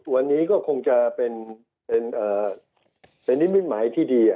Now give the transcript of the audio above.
วันนี้ก็คงจะเป็นนิมิตหมายที่ดี